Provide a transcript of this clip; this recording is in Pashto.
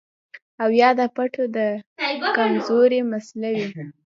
او يا د پټو د کمزورۍ مسئله وي